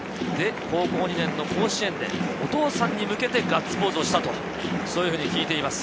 高校２年の甲子園でお父さんに向けてガッツポーズをしたというふうに聞いています。